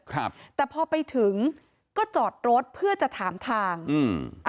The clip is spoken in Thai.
ครับแต่พอไปถึงก็จอดรถเพื่อจะถามทางอืมอ่ะ